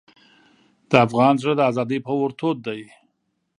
د افغان زړه د ازادۍ په اور تود دی.